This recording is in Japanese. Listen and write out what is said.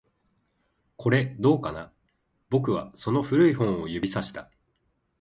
これ、どうかな？僕はその古い本を指差した